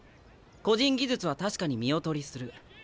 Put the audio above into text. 個人技術は確かに見劣りする。